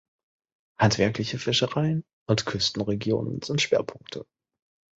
Handwerkliche Fischereien und Küstenregionen sind Schwerpunkte.